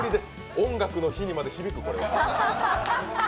「音楽の日」にまで響く、これは。